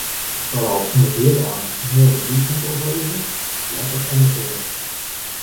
Earst foaral omdat ljipaaien in moaie bûssint opleveren, letter om de eare.